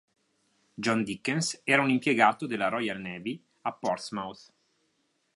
John Dickens era un impiegato della Royal Navy a Portsmouth.